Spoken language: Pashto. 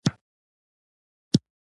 ځغاسته د ذهن سکون راوړي